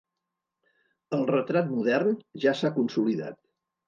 El retrat modern ja s'ha consolidat.